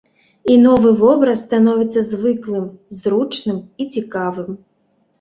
І новы вобраз становіцца звыклым, зручным і цікавым.